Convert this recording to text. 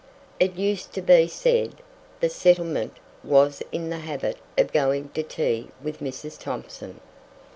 It used to be said that "the settlement" was in the habit of going to tea with Mrs. Thomson.